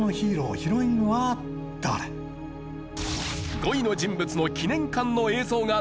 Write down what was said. ５位の人物の記念館の映像が流れます。